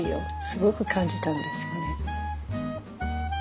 すごく感じたんですよね。